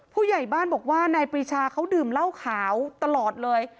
ผู้ใหญ่บ้านบอกว่านายปรีชาเขาดื่มเหล้าขาวตลอดเลย